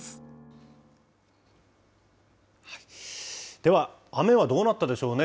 では、雨はどうなったでしょうね。